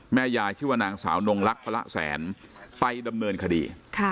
แม่ยายชื่อนางสาวนงรักพระแสนไปดำเนินคดี